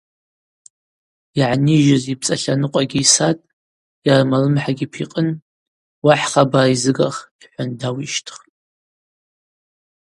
Йгӏанижьыз йпцӏа тланыкъва йсатӏ, йарма лымхӏагьи пикъын: Уахӏ хабар йзыгах, – йхӏван дауищтхтӏ.